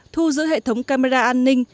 thu giữ hệ thống camera an ninh